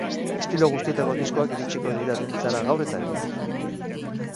Estilo guztietako diskoak iritsiko dira dendetara gaur eta bihar.